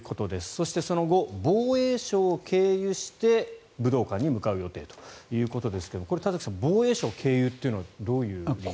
そしてその後、防衛省を経由して武道館に向かう予定ということですがこれ、田崎さん防衛省経由というのはどういう理由で？